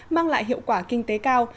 mang lại hiệu quả kinh tế cao